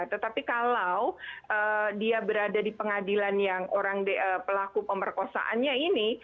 tetapi kalau dia berada di pengadilan yang orang pelaku pemerkosaannya ini